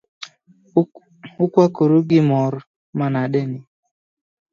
Ukwakoru gi mor manade ni ?